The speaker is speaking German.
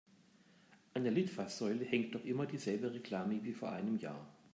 An der Litfaßsäule hängt noch immer dieselbe Reklame wie vor einem Jahr.